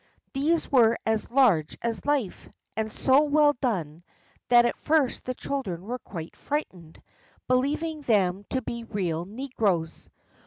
These were as large as life, and so well done, that at first the children were quite frightened, believing them to be real negroes.